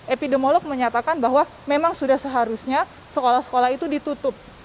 epidemiolog menyatakan bahwa memang sudah seharusnya sekolah sekolah itu ditutup